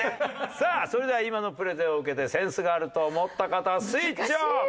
さあそれでは今のプレゼンを受けてセンスがあると思った方スイッチオン！